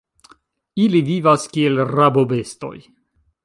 Ili vivas kiel rabobestoj.